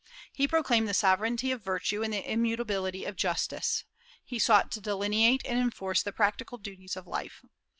He proclaimed the sovereignty of virtue and the immutability of justice. He sought to delineate and enforce the practical duties of life.